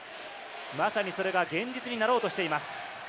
まさにそれが現実になろうとしています。